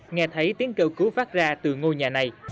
nghe thấy tiếng kêu cứu phát ra từ ngôi nhà này